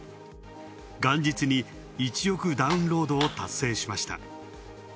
元日に１億ダウンロードを達成しました。